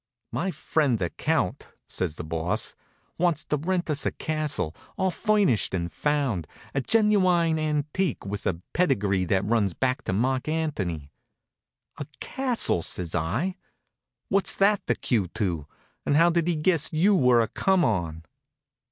"My friend, the count," says the Boss, "wants to rent us a castle, all furnished and found; a genuine antique, with a pedigree that runs back to Marc Antony." "A castle!" says I. "What's that the cue to? And how did he guess you were a come on?"